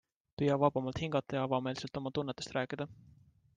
Püüa vabamalt hingata ja avameelselt oma tunnetest rääkida.